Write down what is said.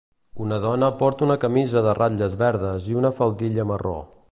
Una dona porta una camisa de ratlles verdes i una faldilla marró.